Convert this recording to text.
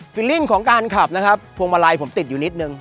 ฟิลลิ่งของการขับนะครับพวงมาลัยผมติดอยู่นิดนึง